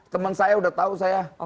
temen saya udah tau saya